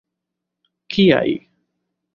Kiaj!